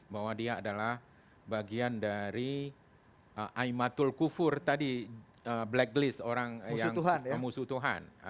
bahwa dia adalah bagian dari aimatul kufur tadi blacklist orang yang memusuh tuhan